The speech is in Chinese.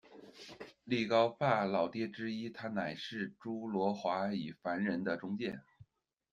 力高爸老爹之一，他乃是诸罗华与凡人的中介。